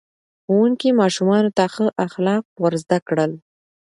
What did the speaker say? ښوونکي ماشومانو ته ښه اخلاق ور زده کړل.